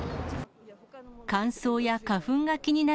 乾燥や花粉が気になる